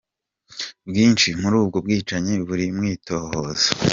Bwinshi muri ubwo bwicanyi buri mw'itohoza.